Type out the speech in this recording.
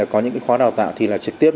có những khóa đào tạo trực tiếp